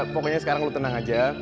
pokoknya sekarang lu tenang aja